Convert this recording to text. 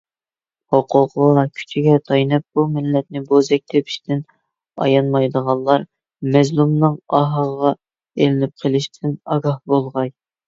ھوقۇقىغا، كۈچىگە تايىنىپ بۇ مىللەتنى بوزەك تېپىشتىن ئايانمايدىغانلار مەزلۇمنىڭ ئاھىغا ئىلىنىپ قىلىشتىن ئاگاھ بولغاي.